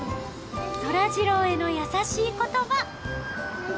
そらジローへの優しい言葉